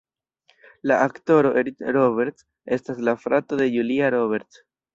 La aktoro Eric Roberts estas la frato de Julia Roberts.